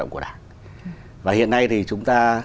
của đảng và hiện nay thì chúng ta